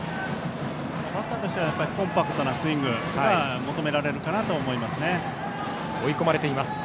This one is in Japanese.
バッターとしてはコンパクトなスイングが求められるかと思います。